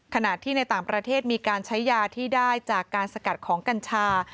ขณะที่ในต่างประเทศมีการใช้ยาที่ได้จากการสกัดของกัญชา